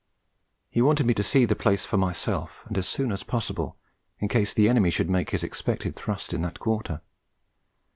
He wanted me to see the place for myself, and as soon as possible, in case the enemy should make his expected thrust in that quarter.